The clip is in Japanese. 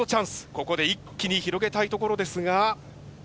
ここで一気に広げたいところですが。